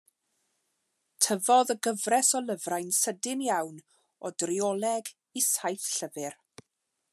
Tyfodd y gyfres o lyfrau'n sydyn iawn o drioleg i saith llyfr.